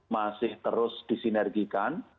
masih terus disinergikan